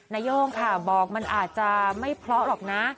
นาย่งค่ะบอกมันอาจจะไม่เพราะหรอกนะ